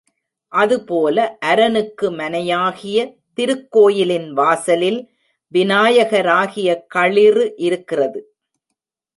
அதுபோல அரனுக்கு மனையாகிய திருக்கோயிலின் வாசலில் விநாயகராகிய களிறு இருக்கிறது.